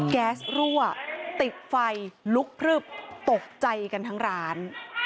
แก๊สรั่วติดไฟลุกพลึบตกใจกันทั้งร้าน